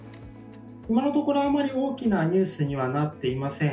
今のところあまりおおきなニュースにはなっていません。